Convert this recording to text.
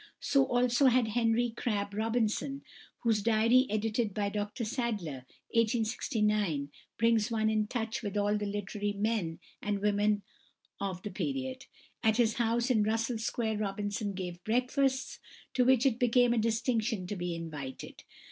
So also had =Henry Crabb Robinson (1775 1867)=, whose diary edited by Dr Sadler (1869) brings one in touch with all the literary men and women of the period. At his house in Russell Square Robinson gave breakfasts, to which it became a distinction to be invited.